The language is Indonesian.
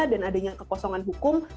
dan adanya kekosongan hukum